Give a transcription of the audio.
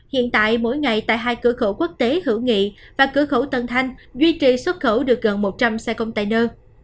hiện tại mỗi ngày tại hai cửa khẩu quốc tế hữu nghị và cửa khẩu tân thanh duy trì xuất khẩu được gần một trăm linh xe container